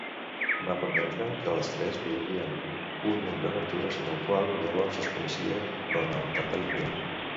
Va prometre que els tres viurien un munt d'aventures en el que llavors es coneixia com el Territori Indià.